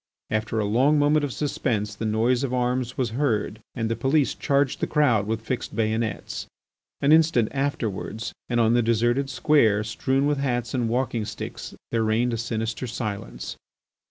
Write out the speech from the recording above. After a long moment of suspense the noise of arms was heard, and the police charged the crowd with fixed bayonets. An instant afterwards and on the deserted square strewn with hats and walking sticks there reigned a sinister silence.